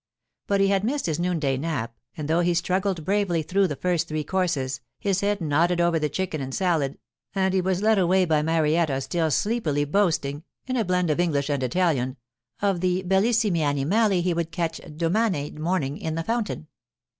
But he had missed his noonday nap, and though he struggled bravely through the first three courses, his head nodded over the chicken and salad, and he was led away by Marietta still sleepily boasting, in a blend of English and Italian, of the bellissimi animali he would catch domane morning in the fountain.